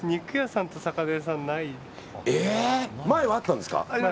前はあったんですか？